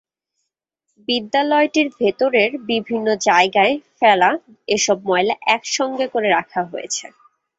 বিদ্যালয়টির ভেতরের বিভিন্ন জায়গায় ফেলা এসব ময়লা একসঙ্গে করে রাখা হয়েছে।